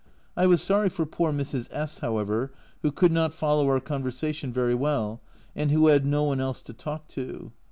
I was sorry for poor Mrs. S , however, who could not follow our conversa tion very well, and who had no one else to talk to.